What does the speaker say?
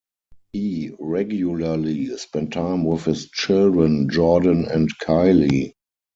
He regularly spent time with his children, Jordan and Kylie.